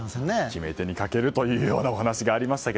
決め手に欠けるというお話がありましたが。